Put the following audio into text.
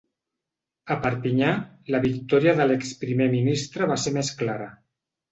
A Perpinyà, la victòria de l’ex-primer ministre va ser més clara.